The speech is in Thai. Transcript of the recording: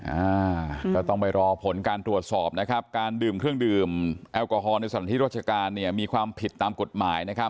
อ่าก็ต้องไปรอผลการตรวจสอบนะครับการดื่มเครื่องดื่มแอลกอฮอลในสถานที่ราชการเนี่ยมีความผิดตามกฎหมายนะครับ